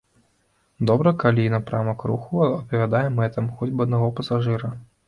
Добра, калі напрамак руху адпавядае мэтам хоць бы аднаго пасажыра.